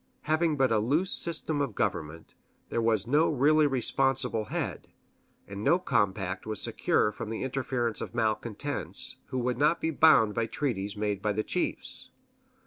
Having but a loose system of government, there was no really responsible head, and no compact was secure from the interference of malcontents, who would not be bound by treaties made by the chiefs.